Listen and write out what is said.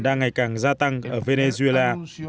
đang ngày càng gia tăng ở venezuela